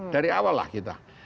dari awal lah kita